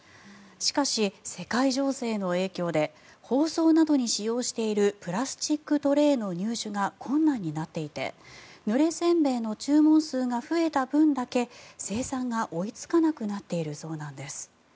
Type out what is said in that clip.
しかし、世界情勢の影響で包装などに使用しているプラスチックトレーの入手が困難になっていてぬれ煎餅の注文数が増えた分だけ生産が追いつかなくなっているそうなんです。